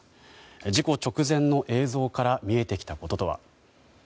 事故直前の映像から見えてきたこととは。